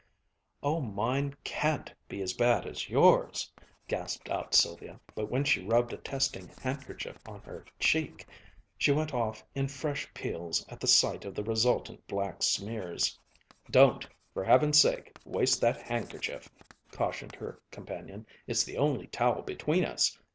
"Oh, mine can't be as bad as yours!" gasped out Sylvia, but when she rubbed a testing handkerchief on her cheek, she went off in fresh peals at the sight of the resultant black smears. "Don't, for Heaven's sake, waste that handkerchief," cautioned her companion. "It's the only towel between us.